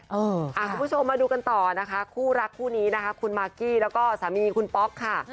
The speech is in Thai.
คุณผู้ชมมาดูกันต่อนะคะคู่รักคู่นี้นะคะคุณมากกี้แล้วก็สามีคุณป๊อกค่ะ